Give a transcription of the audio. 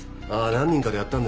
何人かでやったんだよな。